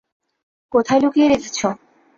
কোথায় লুকিয়ে রেখেছ?